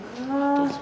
どうぞ。